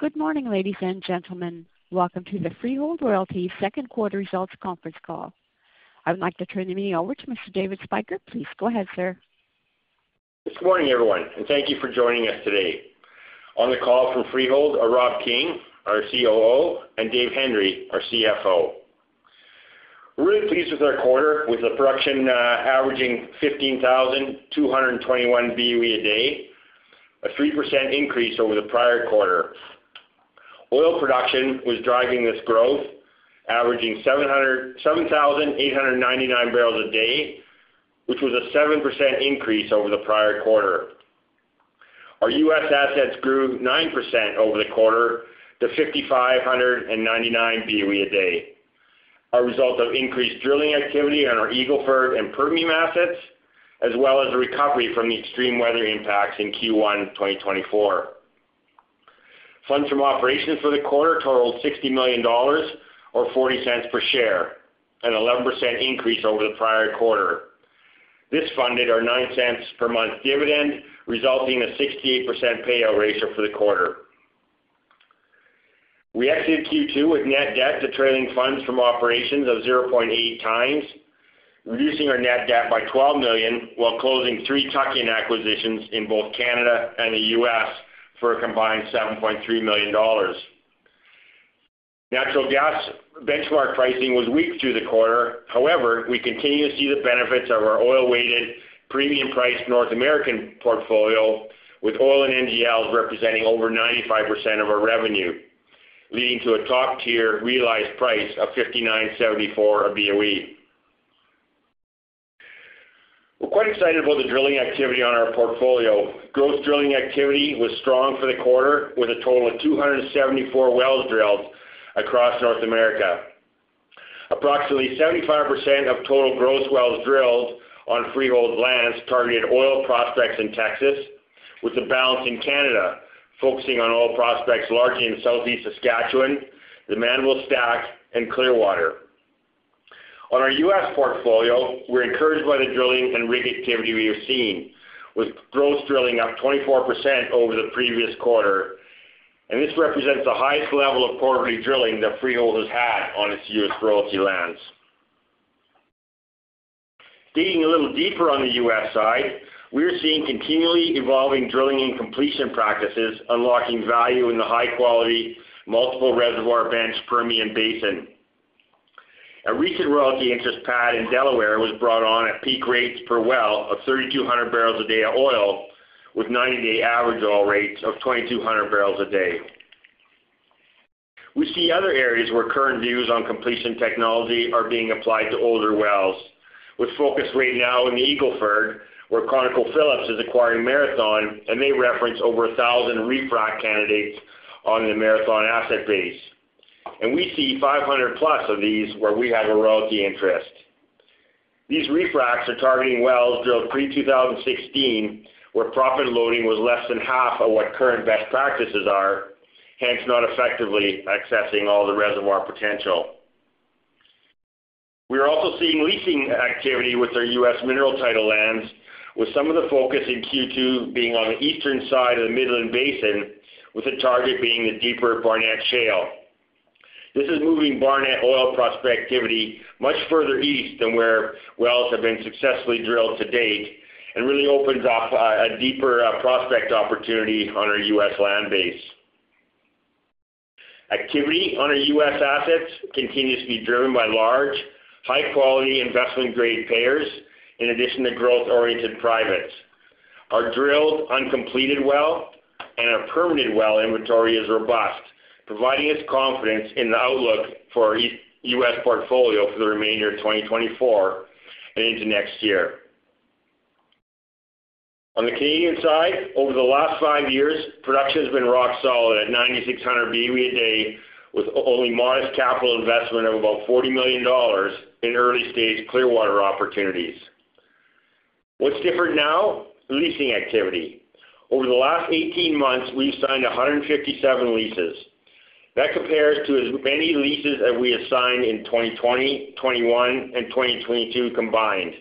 Good morning, ladies and gentlemen. Welcome to the Freehold Royalties Second Quarter results conference call. I would like to turn the meeting over to Mr. David Spyker. Please go ahead, sir. Good morning, everyone, and thank you for joining us today. On the call from Freehold are Rob King, our COO, and Dave Hendry, our CFO. We're really pleased with our quarter, with a production averaging 15,221 BOE a day, a 3% increase over the prior quarter. Oil production was driving this growth, averaging 7,899 barrels a day, which was a 7% increase over the prior quarter. Our U.S. assets grew 9% over the quarter to 5,599 BOE a day, a result of increased drilling activity on our Eagle Ford and Permian assets, as well as a recovery from the extreme weather impacts in Q1 2024. Funds from operations for the quarter totaled $60 million, or 0.40 per share, an 11% increase over the prior quarter. This funded our 0.09 per month dividend, resulting in a 68% payout ratio for the quarter. We exited Q2 with net debt to trailing funds from operations of 0.8 times, reducing our net debt by $12 million, while closing three tuck-in acquisitions in both Canada and the U.S. for a combined $7.3 million. Natural gas benchmark pricing was weak through the quarter. However, we continue to see the benefits of our oil-weighted, premium-priced North American portfolio, with oil and NGLs representing over 95% of our revenue, leading to a top-tier realized price of $5,974 a BOE. We're quite excited about the drilling activity on our portfolio. Gross drilling activity was strong for the quarter, with a total of 274 wells drilled across North America. Approximately 75% of total gross wells drilled on Freehold lands targeted oil prospects in Texas, with the balance in Canada focusing on oil prospects largely in southeast Saskatchewan, the Mannville Stack, and Clearwater. On our U.S. portfolio, we're encouraged by the drilling and rig activity we have seen, with gross drilling up 24% over the previous quarter. This represents the highest level of quarterly drilling that Freehold has had on its U.S. royalty lands. Digging a little deeper on the U.S. side, we are seeing continually evolving drilling and completion practices, unlocking value in the high-quality multiple reservoir bench Permian Basin. A recent royalty interest pad in Delaware Basin was brought on at peak rates per well of 3,200 barrels a day of oil, with 90-day average oil rates of 2,200 barrels a day. We see other areas where current views on completion technology are being applied to older wells, with focus right now in the Eagle Ford, where ConocoPhillips is acquiring Marathon, and they reference over 1,000 refrac candidates on the Marathon asset base. We see 500+ of these where we have a royalty interest. These refracs are targeting wells drilled pre-2016, where proppant loading was less than half of what current best practices are, hence not effectively accessing all the reservoir potential. We are also seeing leasing activity with our U.S. mineral title lands, with some of the focus in Q2 being on the eastern side of the Midland Basin, with the target being the deeper Barnett Shale. This is moving Barnett oil prospect activity much further east than where wells have been successfully drilled to date, and really opens up a deeper prospect opportunity on our U.S. land base. Activity on our U.S. assets continues to be driven by large, high-quality investment-grade payers, in addition to growth-oriented privates. Our drilled, uncompleted well, and our Permian well inventory is robust, providing us confidence in the outlook for our U.S. portfolio for the remainder of 2024 and into next year. On the Canadian side, over the last 5 years, production has been rock solid at 9,600 BOE a day, with only modest capital investment of about 40 million dollars in early-stage Clearwater opportunities. What's different now? Leasing activity. Over the last 18 months, we've signed 157 leases. That compares to as many leases as we have signed in 2020, 2021, and 2022 combined.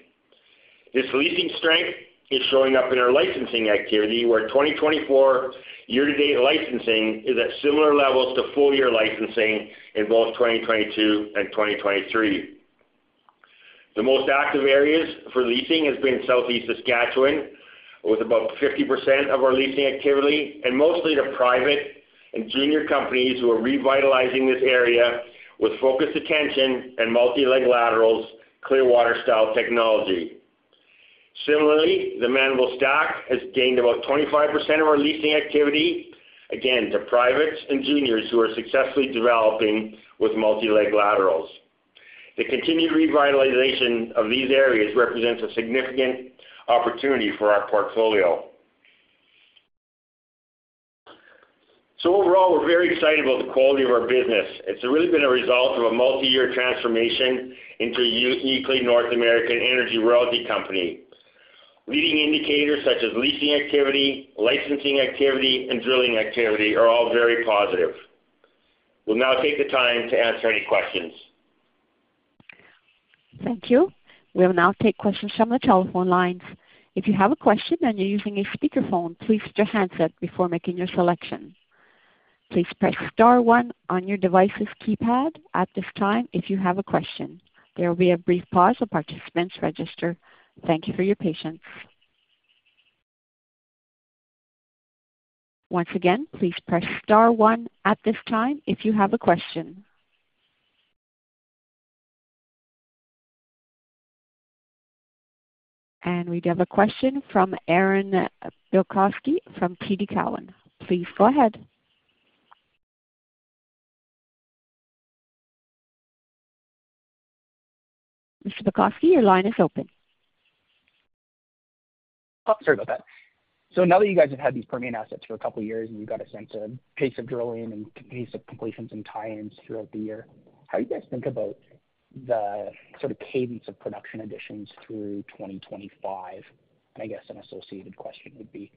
This leasing strength is showing up in our licensing activity, where 2024 year-to-date licensing is at similar levels to full-year licensing in both 2022 and 2023. The most active areas for leasing have been southeast Saskatchewan, with about 50% of our leasing activity, and mostly to private and junior companies who are revitalizing this area with focused attention and multi-leg laterals Clearwater-style technology. Similarly, the Mannville Stack has gained about 25% of our leasing activity, again to privates and juniors who are successfully developing with multi-leg laterals. The continued revitalization of these areas represents a significant opportunity for our portfolio. So overall, we're very excited about the quality of our business. It's really been a result of a multi-year transformation into a uniquely North American energy royalty company. Leading indicators such as leasing activity, licensing activity, and drilling activity are all very positive. We'll now take the time to answer any questions. Thank you. We'll now take questions from the telephone lines. If you have a question and you're using a speakerphone, please put your hands up before making your selection. Please press star one on your device's keypad at this time if you have a question. There will be a brief pause while participants register. Thank you for your patience. Once again, please press star one at this time if you have a question. We do have a question from Aaron Bilkoski from TD Cowen. Please go ahead. Mr. Bilkoski, your line is open. Oh, sorry about that. So now that you guys have had these Permian assets for a couple of years, and you've got a sense of pace of drilling and pace of completions and tie-ins throughout the year, how do you guys think about the sort of cadence of production additions through 2025? And I guess an associated question would be,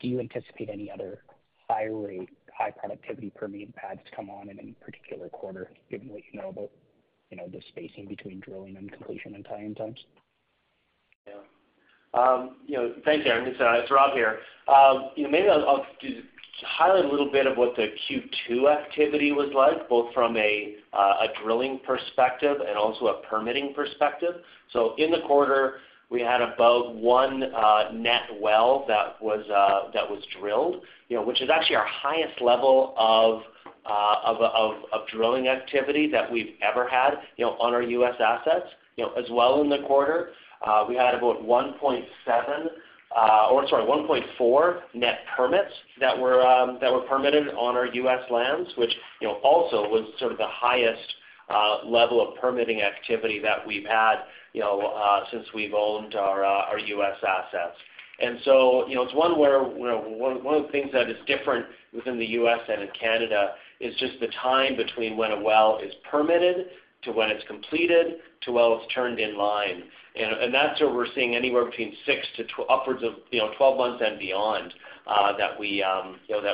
do you anticipate any other higher rate, high-productivity Permian pads to come on in any particular quarter, given what you know about the spacing between drilling and completion and tie-in times? Yeah. Thanks, Aaron. It's Rob here. Maybe I'll highlight a little bit of what the Q2 activity was like, both from a drilling perspective and also a permitting perspective. So in the quarter, we had about 1 net well that was drilled, which is actually our highest level of drilling activity that we've ever had on our U.S. assets. As well in the quarter, we had about 1.7, or sorry, 1.4 net permits that were permitted on our U.S. lands, which also was sort of the highest level of permitting activity that we've had since we've owned our U.S. assets. And so it's one where one of the things that is different within the U.S. and in Canada is just the time between when a well is permitted to when it's completed to when it's turned in line. That's where we're seeing anywhere between 6 to upwards of 12 months and beyond, that we sort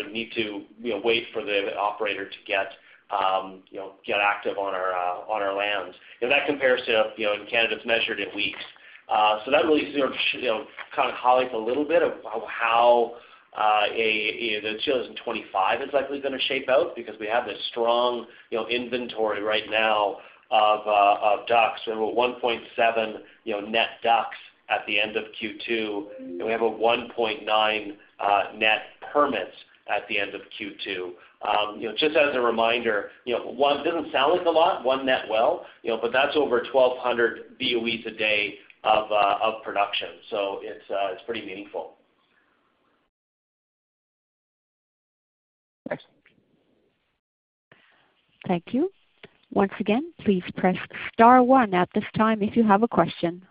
of need to wait for the operator to get active on our lands. That compares to, in Canada, it's measured in weeks. So that really sort of kind of highlights a little bit of how 2025 is likely going to shape out, because we have this strong inventory right now of DUCs. We have about 1.7 net DUCs at the end of Q2, and we have about 1.9 net permits at the end of Q2. Just as a reminder, one doesn't sound like a lot, one net well, but that's over 1,200 BOEs a day of production. So it's pretty meaningful. Excellent. Thank you. Once again, please press star one at this time if you have a question.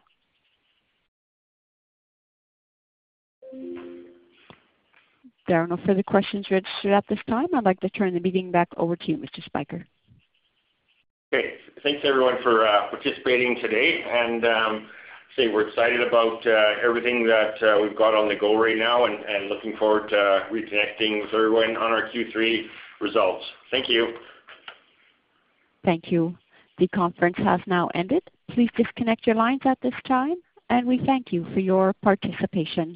There are no further questions registered at this time. I'd like to turn the meeting back over to you, Mr. Spyker. Okay. Thanks, everyone, for participating today. I'd say we're excited about everything that we've got on the go right now, and looking forward to reconnecting with everyone on our Q3 results. Thank you. Thank you. The conference has now ended. Please disconnect your lines at this time, and we thank you for your participation.